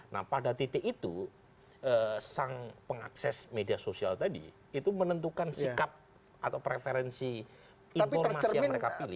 nah pada titik itu sang pengakses media sosial tadi itu menentukan sikap atau preferensi informasi yang mereka pilih